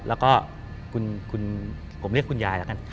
แล้วก็คุณผมเรียกคุณยายแล้วกัน